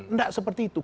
nggak seperti itu